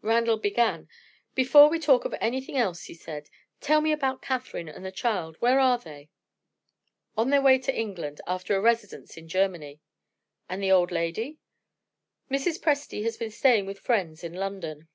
Randal began. "Before we talk of anything else," he said, "tell me about Catherine and the child. Where are they?" "On their way to England, after a residence in Germany." "And the old lady?" "Mrs. Presty has been staying with friends in London."